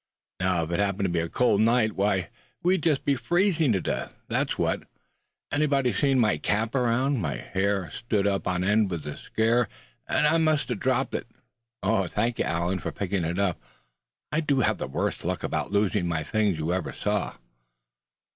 "Now, if it happened to be a cold night, why, we'd just be freezing to death, that's what. Anybody seen my cap around; my hair stood up on end with the scare, and I must have dropped it? Thank you, Allan, for picking it up. I do have the worst luck about losing my things you ever saw."